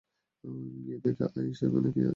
গিয়ে দেখে আয় সে ওখানে আছে কি-না।